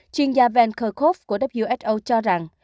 chuyên gia van kerkhove của who cho rằng